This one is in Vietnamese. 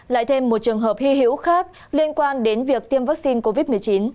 lại thêm một trường hợp hy hữu khác liên quan đến việc tiêm vaccine covid một mươi chín